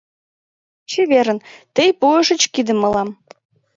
— Чеверын! — тый пуышыч кидым мылам.